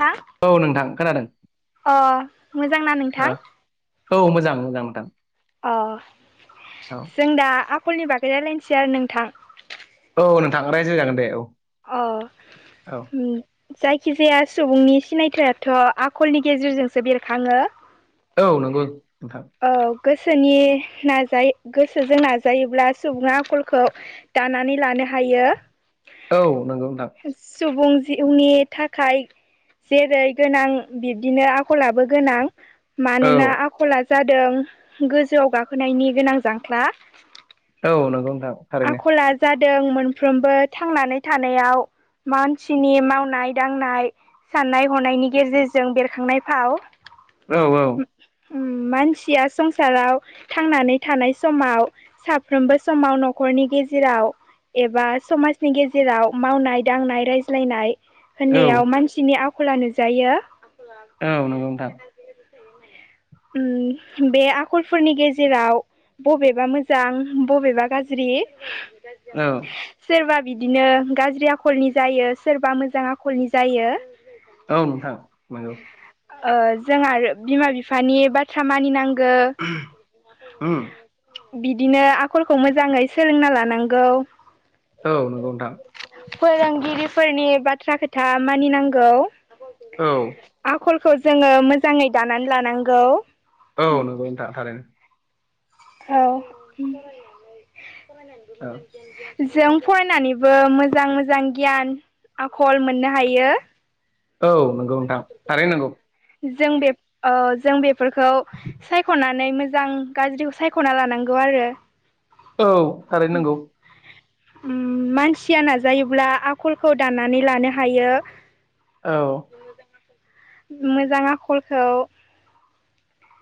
नोंथां औ नोंथां खोनादों अ मोजांना नोंथां औ मोजां मोजां नोंथां। ओ औ जों दा आखलनि बागै रायज्लायनोसै आरो नोंथां। औ नोंथां रायज्लायजागोन दे औ अ औ ओम जायखिजाया सुबुंनि सिनायथियाथ' आखलनि गेजेरजोंसो बेरखाङो। औ नंगौ नोंथां। औ गोसोनि नाजायो गोसोजों नाजायोब्ला सुबुङा आखलखौ दानानै लानो हायो। औ नंगौ नोंथां। सुबुं जिउनि थाखाय जेरै गोनां बिब्दिनो आखलाबो गोनां। औ मानोना आखला जादों गोजौआव गाखोनायनि गोनां जांख्ला। औ नंगौ नोंथां थारैनो। आखला जादों मोनफ्रोमबो थांनानै थानायाव मानसिनि मावनाय दांनाय साननाय हनायनि गेजेरजों बेरखांनाय फाव औ औ ओम मानसिया संसाराव थांनानै थानाय समाव साफ्रोमबो समाव न'खरनि गेजेराव एबा समाजनि गेजेराव मावनाय दांनाय रायज्लायनाय औ होननायाव मानसिनि आखला नुजायो औ नंगौ नोंथां ओम बे आखलफोरनि गेजेराव बबेबा मोजां बबेबा गाज्रि औ सोरबा बिदिनो गाज्रि आखलनि जायो सोरबा मोजां आखलनि जायो औ नोंथां नंगौ जों आरो बिमा बिफानि बाथ्रा मानिनांगौ उम बिदिनो आखलखौ मोजाङै सोलोंना लानांगौ औ नंगौ नोंथां फोरोंगिरिफोरनि बाथ्रा खोथा मानिनांगौ औ आखलखौ जोङो मोजाङै दानानै लानांगौ औ नंगौ नोंथां थारैनो औ औ जों फरायनानैबो मोजां मोजां गियान आखल मोननो हायो औ नंगौ नोंथां थारै नंगौ जों बे ओ जों बेफोरखौ सायख'नानै मोजां गाज्रि खौ साय खना लानांगौ आरो औ थारैनांगौ उम मानसिया नाजायोब्ला आखलखौ दाननानै लानो हायो औ मोजां आखलखौ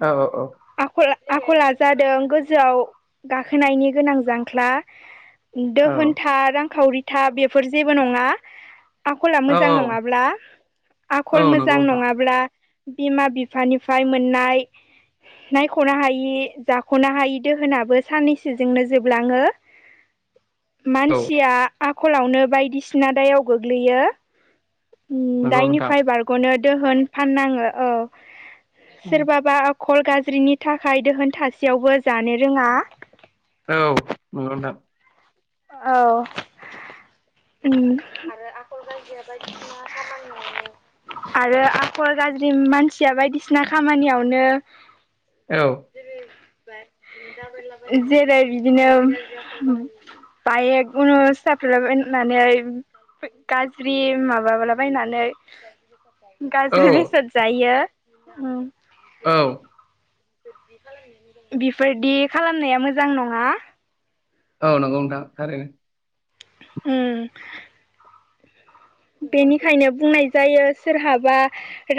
औ औ औ आखल आखला जादों गोजौआव गाखोनायनि गोनां जांख्ला औ दोहोनथा रांखावरिथा बेफोर जेबो नङा आखला औ मोजां नङाब्ला आखल औ नंगौ मोजां नोंथां नङाब्ला बिमा बिफानिफ्राय मोननाय नायख'नो हायि जाख'नो हायि दोहोनाबो साननैसो जोंनो जोबलाङो [unintelligible] औ मानसिया आखलावनो बायदिसिना दायाव गोग्लैयो नंगौ दायनिफ्राय नोंथां बारग'नो दोहोन फाननाङो औ सोरबाबा कल गाज्रिनि थाखाय दोहोनथासेयावबो जानो रोङा औ नंगौ नोंथां औ उम आरो आखल गारजिया बायदि [inaudible] आरो आखल गाज्रि मानसिया बायदिसिना खामानियावनो औ जेरै बिदिनो [unintelligible] गाज्रि माबाब्ला बायनानै औ गाज्रि बेसाद जायो औ बेफोरदि खालामनाया मोजां नङा। औ नंगौ नोंथां थारैनो। उम बेनिखायनो बुंनाय जायो सोरहाबा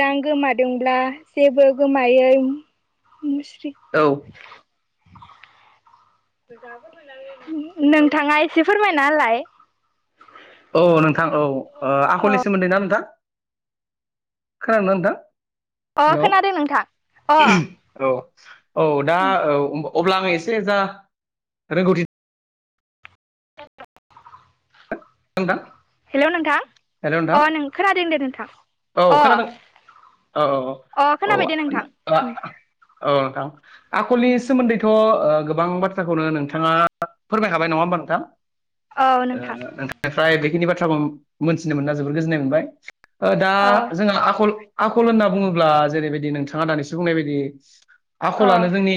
रां गोमादोंब्ला जेबो गोमायै मुस्रि औ [inaudible] नोंथाङा एसे फोरमायना होलाय। औ नोंथां औ अ आखलनि सोमोन्दै ना नोंथां? खोनादोंना अ खोनादों अ नोंथां हेल' औ औ दा औ अब्ला आङो एसे जा रोंगौथि नोंथां हेल' नोंथां हेलौ नोंथां अ नों खोनादों दे नोंथां अ अ अ औ खोनाबाय दे नोंथां आ औ नोंथां। आखलनि सोमोन्दैथ' ओ गोबां बाथ्राखौनो नोंथाङा फोरमायखाबाय नङा होमबा नोंथां? औ ओ नोंथां नोंथांनि फ्राय बेखिनि बाथ्राखौ मोनथिनो मोनना जोबोर गोजोननाय मोनबाय। ओ दा औ जोंहा आखल आखल होनना बुङोब्ला जेरैबायदि नोंथाङा दानिसो बुंनाय बायदि औ आखलानो जोंनि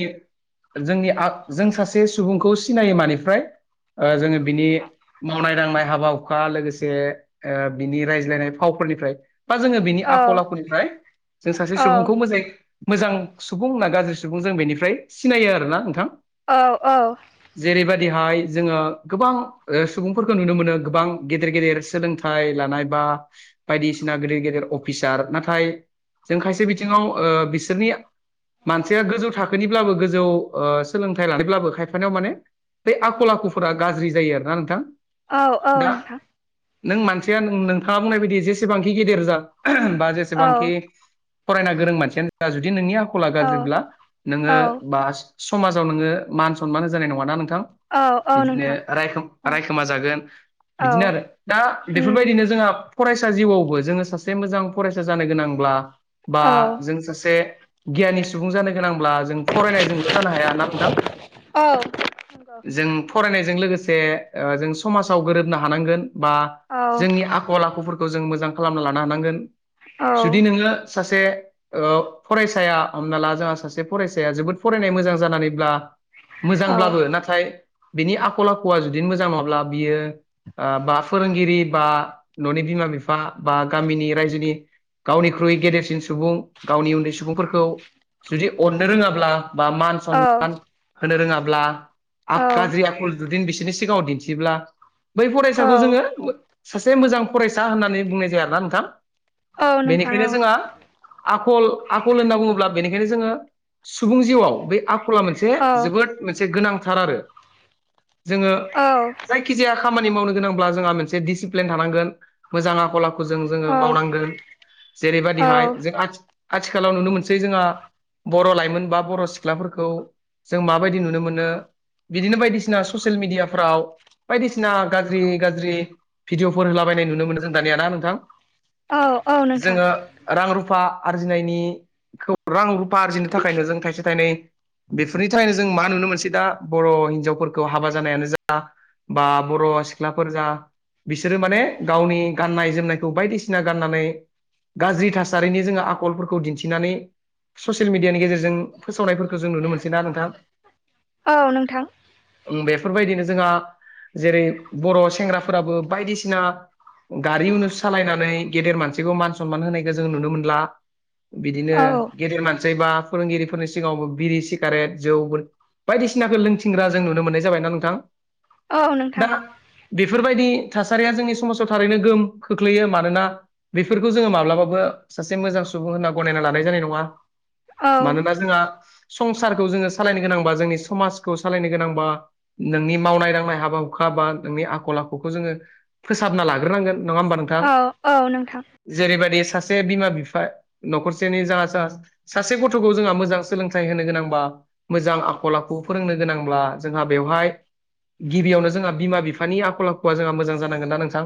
जोंनि आ जों सासे सुबुंखौ सिनायो मानिफ्राय ओ जोङो बिनि मावनाय दांनाय हाबा हुखा लोगोसे ओ बिनि रायज्लायनाय फावफोरनिफ्राय। बा जोङो बिनि औ आखल आखुनिफ्राय जों सासे सुबुंखौ मोजाङै मोजां सुबुं ना गाज्रि सुबुं जों बेनिफ्राय सिनायो आरोना नोंथां। औ औ जेरैबायदिहाय जोङो गोबां ओ सुबुंफोरखौ नुनो मोनो गोबां गेदेर गेदेर सोलोंथाइ लानाय बा बायदिसिना गेदेर गेदेर अफिसार नाथाय जों खायसे बिथिङाव ओ बिसोरनि मानसिया गोजौ थाखोनिब्लाबो ओ गोजौ सोलोंथाइ लानायब्लाबो खायफानायाव माने बे आखल आखुफोरा गाज्रि जायो आरोना नोंथां। औ औ दा नोंथां। नों मानसिया नोंथाङा बुंनाय बायदि जेसेबांखि गेदेर जा बा औ जेसेबांखि फरायना गोरों मानसियानो जा जुदि नोंनि आखला औ गाज्रिब्ला नोङो औ बास समाजाव नोङो मान सनमान होजानाय नङा ना नोंथां। औ औ बिदिनो नोंथां रायखो औ रायखोमा जागोन। औ बिदिनो आरो दा उम बेफोरबायदिनो जोंहा फरायसा जिउआवबो जोङो सासे मोजां फरायसा जानो गोनांब्ला बा औ जों सासे गियाननि सुबुं जानो गोनांब्ला जों फरायनायजोंल' जानो हाया ना नोंथां। औ जों फरायनायजों लोगोसे ओ जों समाज साव गोरोबनो हानांगोन बा जोंनि आखल आखुफोरखौ जों मोजां खालामना लानो हानांगोन। औ जुदि नोङो सासे ओ फरायसाया हमना ला जोंहा सासे फरायसाया जोबोद फरायनाय मोजां जानानैब्ला मोजांब्लाबो नाथाय बिनि आखल आखुआ जुदि मोजां नङाब्ला बियो ओ बा फोरोंगिरि बा न'नि बिमा बिफा बा गामिनि रायजोनि गावनिख्रुइ गेदेरसिन सुबुं गावनि उन्दै सुबुंफोरखौ जुदि अननो रोङाब्ला बा मान सनमान होनो रोङाब्ला गाज्रि आखल जुदि बिसोरनि सिगाङाव दिन्थिब्ला बै औ फरायसाखौ जोङो सासे मोजां फरायसा होननानै बुंनाय जायाना नोंथां? औ नोंथां बेनिखायनो जोंहा आखल आखल होनना बुङोब्ला बेनिखायनो जोङो सुबुं जिउआव बै आखला औ मोनसे बे जोबोद मोनसे गोनांथार आरो जोङो औ औ जायखिजाया खामानि मावनो गोनांब्ला जोंहा मोनसे डिसिप्लिन थानांगोन मोजा आ खल आखुजों जोङो मावनांगोन जेरै औ बादिहाय जों आ आथिखालाव नुनो मोनसै जोङा बर' लाइमोन बा बर' सिख्लाफोरखौ जों माबायदि नुनो मोनो बिदिनो बायदिसिना ससियेल मिडियाफ्राव बायदिसिना गाज्रि गाज्रि भिडिअफोर होलाबायनाय नुनो मोनो जों दानिया‌ ना नोंथां? नोंथां जोङो रां रुफा आरजिनायनिखौ रां रुफा आरजिनो थाखायनो जों थाइसे थाइनै बेफोरनि थाखायनो जों मा नुनो मोनसै दा बर' हिनजावफोरखौ हाबा जानायानो जा बा बर' सिख्लाफोर जा बिसोरो माने गावनि गाननाय जोमनायखौ बायदिसिना गाननानै गाज्रि थासारिनि जोङो आखलफोरखौ दिन्थिनानै ससियेल मिडियानि गेजेरजों फोसावनायफोरखो जों नुनो मोनसै ना नोंथां। औ नोंथां। उम बेफोरबायदिनो जोंहा जेरै बर' सेंग्राफोराबो बायदिसिना गारि उनुस सालायनानै गेदेर मानसिखौ मान सनमान होनायखौ जों नुनो मोनला। बिदिनो औ गेदेर मानसै बा फोरोंगिरिफोरनि सिगाङावबो बिरि सिगारेट जौफोर बायदिसिनाखो लोंथिंग्रा जों नुनो मोननाय जाबायना नोंथां? औ नोंथां दा बेफोरबायदि थासारिया जोंनि समाजाव थारैनो गोहोम खोख्लैयो मानोना बेफोरखौ जोङो माब्लाबाबो सासे मोजां सुबुं होनना गनायना लानाय जानाय नङा। औ मानोना जोङा संसारखौ जोङो सालायनो गोनांबा जोंनि समाजखौ सालायनो गोनांबा नोंनि मावनाय दांनाय हाबा हुखा बा नोंनि आखल आखुखौ जोङो फोसाबना लाग्रोनांगोन नङा ओमबा नों अ अ नोंथां। जेरैबायदि सासे बिमा बिफा न'खरसेनि जा जा सासे गथ'खौ जोङा मोजां सोलोंथाइ होनो गोनांबा मोजां आखल आखु फोरोंनो गोनांब्ला जोंहा बेवहाय गिबियावनो जोंहा बिमा बिफानि आखल आखुआ जोंहा मोजां जानांगोन ना नोंथां?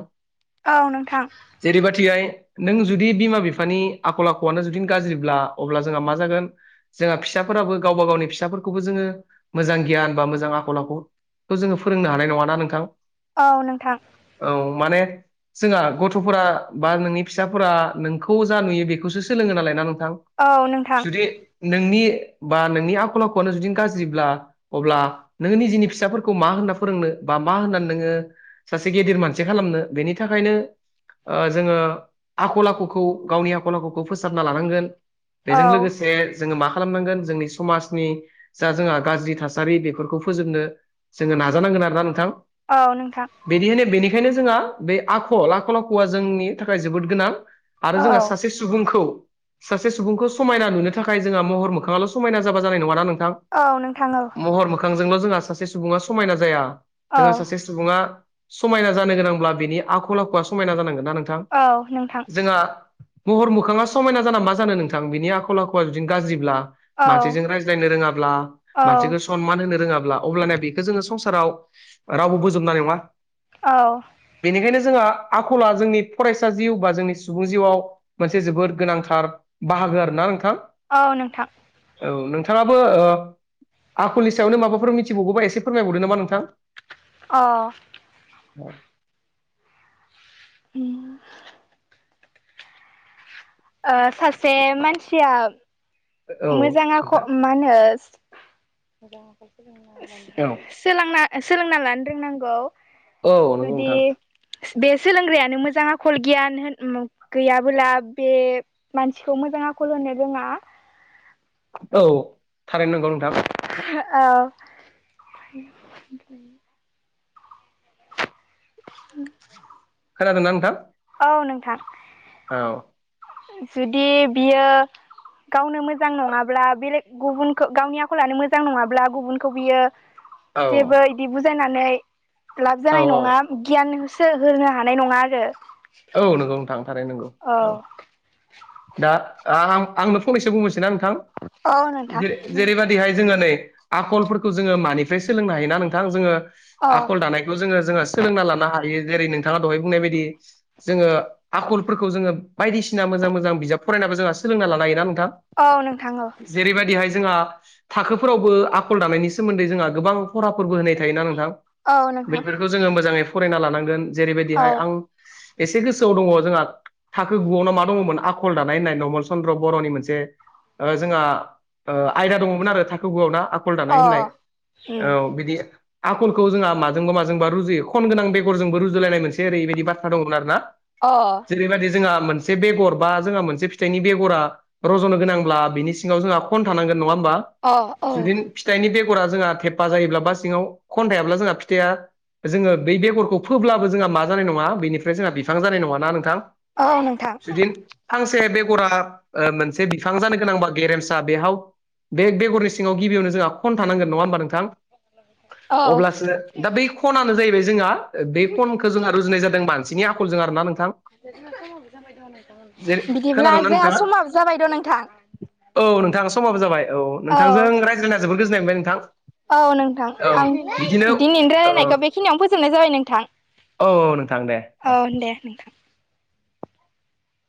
औ नोंथां जेरैबायथिहाय नों जुदि बिमा बिफानि आखल आखुवानो जुदि गाज्रिब्ला अब्ला जोंहा मा जागोन जोंहा फिसाफोराबो गावबा गावनि फिसाफोरखौबो जोङो मोजां गियान बा मोजां आखल आखु खौ जोङो फोरोंनो हानाय नङा ना नोंथां? औ नोंथां। औ माने जोंहा गथ'फोरा बा नोंनि फिसाफोरा नोंखौ जा नुयो बेखौसो सोलोङो नालाय ना नोंथां? औ नोंथां जुदि नोंनि बा नोंनि आखल आखुआनो जुदि गाज्रिब्ला अब्ला नों निजिनि फिसाफोर खौ मा होनना फोरोंनो बा मा होनना नोङो सासे गेदेर मानसि खालामनो बेनि थाखायनो ओ जोङो आखल आखुखौ गावनि आखल आखुखौ फोसाबना लानांगोन। बेजों औ लोगोसे जोङो मा खालामनांगोन जोंनि समाजनि जा जोंहा गाज्रि थासारि बेफोरखौ फोजोबनो जोङो नाजानांगोन आरोना नोंथां। औ नोंथां बिनिखायनो बेनिखायनो जोंहा बे आखल आखल आखुआ जोंनि थाखाय जोबोद गोनां। आरो औ जोंहा सासे सु बुंखौ सासे सुबुंखौ समायना नुनो थाखाय जोंहा महर मोखाङाल' समायना जाबा जानाय नङाना नोंथां? औ नोंथां औ महर मोखांजोंल' जों सासे सुबा समायना औ जों सासे सुबुंङा समायना जानो गोनांब्ला बिनि आखल आखुआ समायना जानांगोन ना नोंथां औ नोंथां जोंहा महर मोखांङा समायना जाना मा जानो नोंथां बिनि आखल आखुआ जुदि गाज्रिब्ला औ मानसिजों रायज्लायनो रोंङाब्ला औ मानसिखौ सनमान होनो रोङाब्ला अब्लाना बे बेखौ जोंङो संसाराव रावबो बोजोबनाय नंङा औ बेनिखायनो जोंहा आखला जोंनि फरायसा जिउ बा जोंनि सुबुं जिउआव मोनसे जोबोद गोनांथार बाहागो आरोना नोंथां औ नोंथां औ नोंथांङाबो आखलनि सायावनो माबाफोर मिथिबावगौबा एसे फोरमायबावदों नामा नोंथां अ [inaudible] उम ओ सासे मानसिया औ मोजां आख नोंथां मा होनो औ सोलोंना सोलोंना लानो रोंनांगौ औ नंगौ जुदि नोंथां बे सोलोंग्रायानो मोजां आखल गियान होन गैयाबोला बे मानसिखौ मोजां आखल होनो रोंङा औ थारैनो नंगौ नोंथां हो औ [inaudible] [inaudible] खोनादोंना नोंथां औ नोंथां औ जुदि बियो गावनो मोजां नंङाब्ला बेलेग गुबुनखौ गावनि आखल लानो मोजां नंङाब्ला गुबुनखौ बियो [inaudible] जेबो इदि बुजायनानै लाब औ जानाय औ नंङा गियानसो होनो हानाय नंङा आरो औ नंगौ नोंथां थारैनो नंगौ औ दा आं आंनो फंनैसो बुंनोसै ना नोंथां औ थां नोंथां जे जेरैबायदिहाय जोंङो नै आखलफोरखौ जोंङो मानिफ्राय सोलोंनो हायोना नोंथां जोंङो अ आखल दानाय बेखौ जोंङो जोंङो सोलोंना लानो हायो जेरै नोंथांङा दहाय बुंनाय बायदि जोंङो आखलफोरखौ जोंङो बायदिसिना मोजां मोजां बिजाब फरायनाबो जोंहा सोलोंना लानो हायोना नोंथां औ नोंथां औ जेरै बायदिहाय जोंहा थाखोफोरावबो आखल दानायनि सोमोन्दै जोंहा गोबां फराफोरबो होनाय थायोना नोंथां औ नोंथां बेफोरखौ जोंङो मोजांङै फरायना लानांगोन औ जेरैबायदिहाय आं एसे गोसोआव दंङो जोंहा थाखो गुआवनोाव मा दंङो मोन आखल दानाय होननाय नमल चन्द्र बर'नि मोनसे ओ जोंहा ओ आयदा दंङोमोन आरो थाखो गुआव ना आकल दानाय अ होननाय उम औ बिदि आखलखौ जोंहा माजोंबा माजोंबा रुजुयो खन गोनां बेगरजोंबो रुजुलायनाय मोनसे ओरैबायदि बाथ्रा दंमोन आरोना अ जेरैबायदि जोंहा मोनसे बेगर बा जोंहा मोनसे फिथाइनि बेगरा रज'नो गोनांब्ला बिनि सिङांव जोंहा खन थानांगोन नंङा होमबा अ औ जुदि फिथाइनि बेगरा जोंहा थेफा जायोब्ला बा सिङांव खन्थायाब्ला जोंहा फिथाइया जोङो बे बेगरखौ फोब्लाबो जोंहा मा जानाय नङा बेनि फ्राय जोंहा बिफां जानाय नङाना नोंथां औ नोंथां जुदि फांसे बेगरा मोनसे बिफां जानो गोनांबा गेरेमसा बेहाव बे बेगरनि सिङाव गिबियावनो जोंहा खन थानांगोन नङा होमबा नोंथां औ अब्लासो दा बै खनानो जाहैबाय जोंहा बे खनखौ जोंहा रुजुनाय जादों मान सिनि आखलजों आरो ना नोंथां [unintelligible] जेरै बिदिब्ला खोनादोंना जोंहा नोंथाङा समाबो जाबायथ' नोंथां औ नोंथाङा समाबो जाबाय औ नोंथांजों रायज्लायना ज गोजोननाय मोनबाय नोंथां औ बिदिनो ओ खिनियावनो फोजोबनाय जाबाय नोंथां औ औ नोंथां दे औ दे नोंथां